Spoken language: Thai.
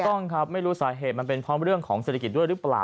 ถูกต้องครับไม่รู้สาเหตุมันเป็นพร้อมเรื่องของศิลธิกฤษด้วยรึเปล่า